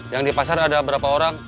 yang di pasar ada berapa orang